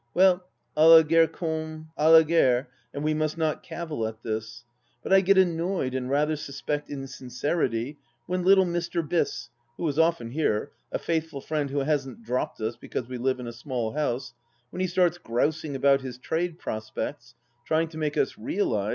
Well, & la guerre comme d la guerre, and we must not cavil at this. But I get armoyed and rather suspect insincerity when little Mr. Biss, who is often here — a faithful friend who hasn't dropped us because we live in a small house — ^when he starts grousing about his trade prospects, trying to make us realize